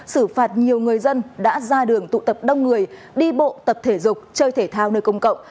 xử phạt nhiều người dân đã ra đường tụ tập đông người đi bộ tập thể dục chơi thể thao nơi công cộng